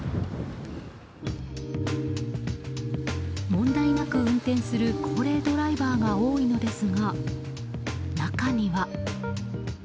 問題なく運転する高齢ドライバーが多いのですが中には。